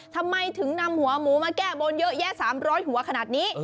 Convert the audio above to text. ทำไมถึงนำหัวหมูมาแก้บนเยอะแยะ๓๐๐หัวขนาดนี้